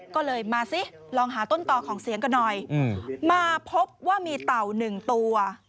ก็เลยมาซิลองหาต้นต่อของเสียงกันหน่อยมาพบว่ามีเต่าหนึ่งตัว